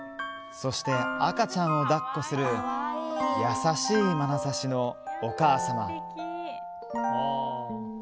そして、赤ちゃんを抱っこする優しいまなざしのお母様。